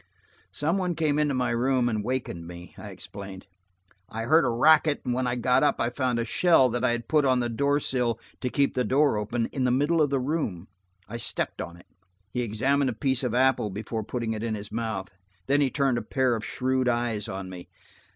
"Some one came into my room and wakened me," I explained. "I heard a racket and when I got up I found a shell that I had put on the door sill to keep the door open, in the middle of the room. I stepped on it." He examined a piece of apple before putting it in his mouth. Then he turned a pair of shrewd eyes on me.